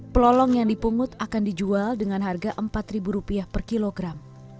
pelolong yang dipungut akan dijual dengan harga rp empat per kilogram